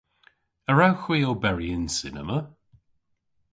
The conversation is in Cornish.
A wrewgh hwi oberi yn cinema?